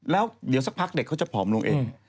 แล้วเดี๋ยวสักพักเด็กเขาจะผอมลงเอง